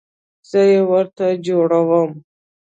زه یې ورته جوړوم